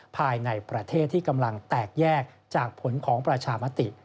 ภายในประเทศที่กำลังแตกแยกจากผลของประชามติ